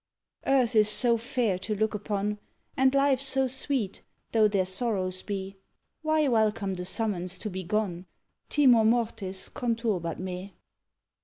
Earth is so fair to look upon, And life so sweet, though there sorrows be, Why welcome the summons to be gone? _Timor mortis conturbat me.